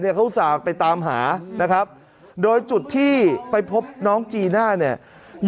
เขาอุตส่าห์ไปตามหานะครับโดยจุดที่ไปพบน้องจีน่าเนี่ย